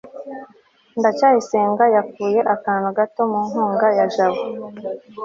ndacyayisenga yakuye akantu gato mu nkunga ya jabo